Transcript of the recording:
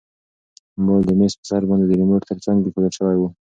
موبایل د میز په سر باندې د ریموټ تر څنګ ایښودل شوی و.